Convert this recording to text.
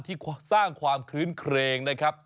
ที่สร้างความคลื้นเครงนะครับ